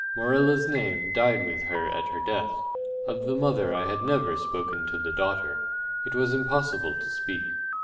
Morella’s name died with her at her death. Of the mother I had never spoken to the daughter;—it was impossible to speak.